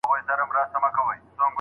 زما د دواړو سترگو، تورې مه ځه